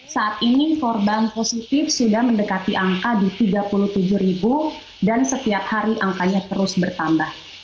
saat ini korban positif sudah mendekati angka di tiga puluh tujuh ribu dan setiap hari angkanya terus bertambah